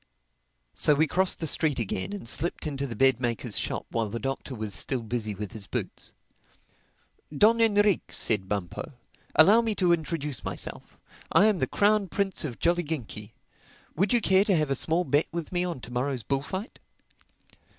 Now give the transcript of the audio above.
So we crossed the street again and slipped into the bed maker's shop while the Doctor was still busy with his boots. "Don Enrique," said Bumpo, "allow me to introduce myself. I am the Crown Prince of Jolliginki. Would you care to have a small bet with me on to morrow's bullfight?"